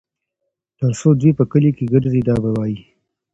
تر څو دوى په کلي کلي ګرځي دا به وايي